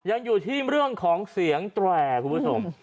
ยังอยู่ที่เรื่องของเสียงแตรคุณผู้ชม